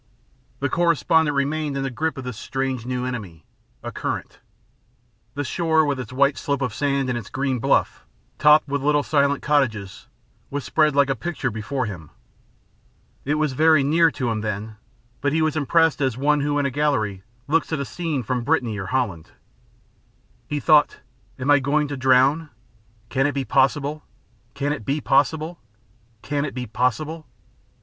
The correspondent remained in the grip of this strange new enemy a current. The shore, with its white slope of sand and its green bluff, topped with little silent cottages, was spread like a picture before him. It was very near to him then, but he was impressed as one who in a gallery looks at a scene from Brittany or Holland. He thought: "I am going to drown? Can it be possible Can it be possible? Can it be possible?"